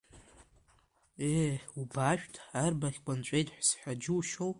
Ее, убаашәт, арбаӷьқәа нҵәеит сҳәа џьушьоу!